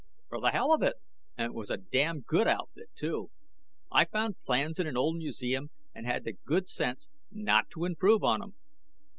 "For the hell of it, and it was a damned good outfit, too. I found plans in an old museum, and had the good sense not to improve on 'em.